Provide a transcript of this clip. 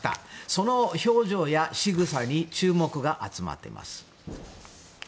その表情やしぐさに注目が集まっています。